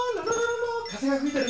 風が吹いてる。